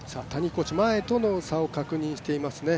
コーチ前との差を確認していますね。